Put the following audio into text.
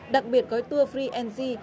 đặc biệt có tour free engine